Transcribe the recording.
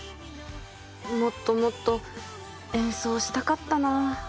もっともっと演奏したかったな。